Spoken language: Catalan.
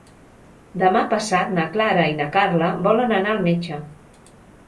Demà passat na Clara i na Carla volen anar al metge.